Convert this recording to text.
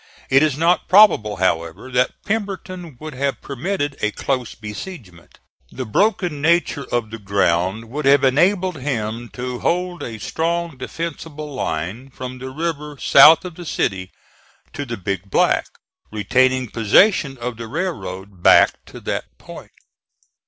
It is not probable, however, that Pemberton would have permitted a close besiegement. The broken nature of the ground would have enabled him to hold a strong defensible line from the river south of the city to the Big Black, retaining possession of the railroad back to that point.